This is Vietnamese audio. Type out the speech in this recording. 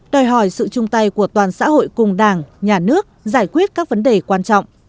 đòi hỏi sự chung tay của toàn xã hội cùng đảng nhà nước giải quyết các vấn đề quan trọng